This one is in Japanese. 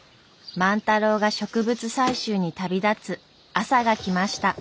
万太郎が植物採集に旅立つ朝が来ました。